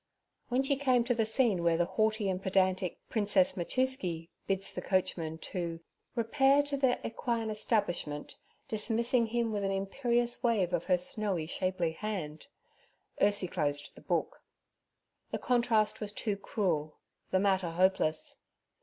When she came to the scene where the haughty and pedantic Princess Machuski bids the coachman to 'Repair to the equine establishment, dismissing him with an imperious wave of her snowy, shapely hand—' Ursie closed the book. The contrast was too cruel, the matter hopeless.